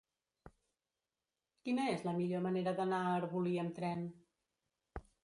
Quina és la millor manera d'anar a Arbolí amb tren?